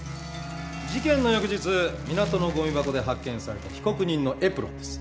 事件の翌日港のごみ箱で発見された被告人のエプロンです。